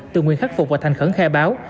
từ nguyên khắc phục và thành khẩn khe báo